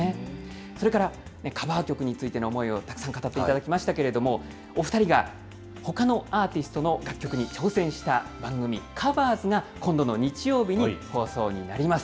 それから、カバー曲についての思いをたくさん語っていただきましたけれども、お２人がほかのアーティストの楽曲に挑戦した番組、カバーズが、今度の日曜日に放送になります。